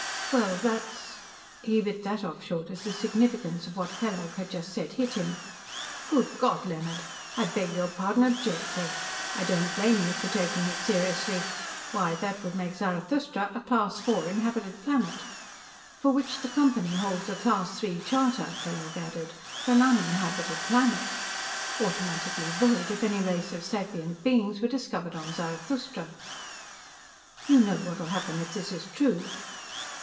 "Well, that's " He bit that off short as the significance of what Kellogg had just said hit him. "Good God, Leonard! I beg your pardon abjectly; I don't blame you for taking it seriously. Why, that would make Zarathustra a Class IV inhabited planet." "For which the Company holds a Class III charter," Kellogg added. "For an uninhabited planet." Automatically void if any race of sapient beings were discovered on Zarathustra. "You know what will happen if this is true?"